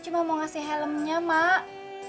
cuma mau ngasih helmnya mak